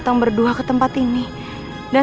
dengan parababan ibu